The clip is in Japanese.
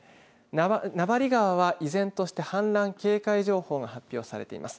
名張川は依然として氾濫警戒情報が発表されています。